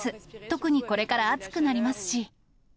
特にこれから暑くなりますし。